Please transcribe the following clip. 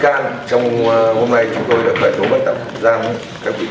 các đối tượng các vị can trong hôm nay chúng tôi đã khởi tố bắt tập gian các vị can